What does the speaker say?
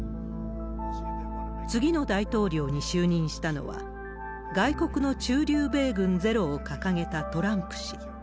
次の大統領に就任したのは、外国の駐留米軍ゼロを掲げたトランプ氏。